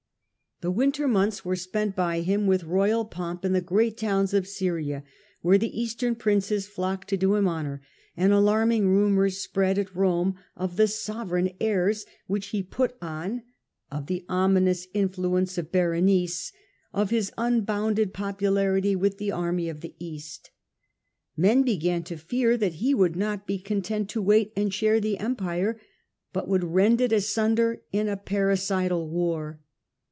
The winter months were spent by him with royal pomp in the great towns of Syria, where the Eastern princes flocked to do him honour, and alarming rumours spread at Rome of the sovereign airs which he put on, of the ominous influence of Berenice, of his unbounded popu larity with the army of the East. Men began to fear that he would not be content to wait and share the Empire, but would rend it asunder in a parricidal war.